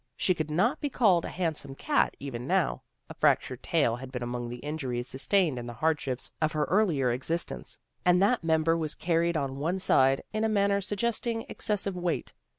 She could not be called a handsome cat, even now. A fractured tail had been among the injuries sustained in the hardships of her earlier exist ence, and that member was carried on one side, in a manner suggesting excessive weight.